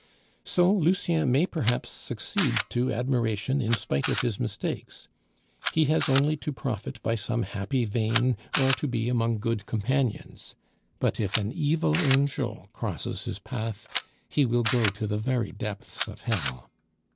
So Lucien may perhaps succeed to admiration in spite of his mistakes; he has only to profit by some happy vein or to be among good companions; but if an evil angel crosses his path, he will go to the very depths of hell.